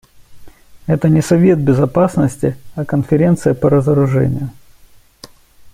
Это не Совет Безопасности, а Конференция по разоружению.